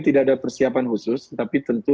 tidak ada persiapan khusus tapi tentu